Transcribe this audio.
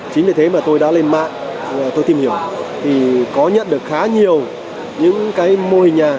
chính vì thế mà tôi đã lên mạng tôi tìm hiểu thì có nhận được khá nhiều những cái mô hình